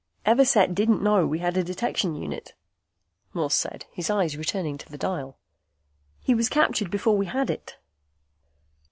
"Everset didn't know we had a detection unit," Morse said, his eyes returning to the dial. "He was captured before we had it."